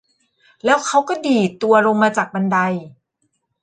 แล้วเขาก็ดีดตัวลงมาจากบันได